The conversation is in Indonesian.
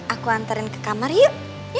aku antarin ke kamar yuk